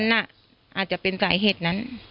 นั้นอ่ะอาจจะเป็นสายเหตุนั้น